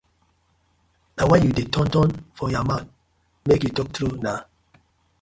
Na why yu dey turn turn for yah mouth, make yu talk true naw.